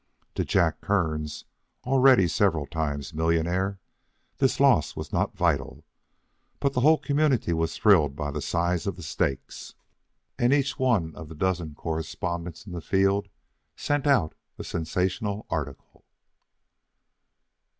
To Jack Kearns, already a several times millionaire, this loss was not vital. But the whole community was thrilled by the size of the stakes, and each one of the dozen correspondents in the field sent out a sensational article.